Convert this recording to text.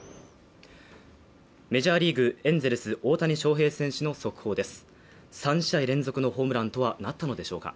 メジャーリーグ・エンゼルス大谷翔平選手の速報です。